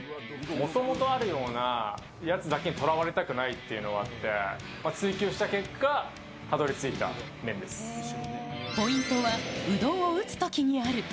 もともとあるようなやつだけにとらわれたくないというのがあって、追求した結果、ポイントは、うどんを打つときにある。